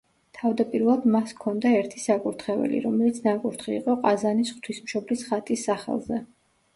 თავდაპირველად მას ჰქონდა ერთი საკურთხეველი, რომელიც ნაკურთხი იყო ყაზანის ღვთისმშობლის ხატის სახელზე.